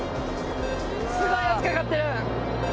すごい圧かかってる。